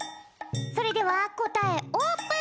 それではこたえオープン！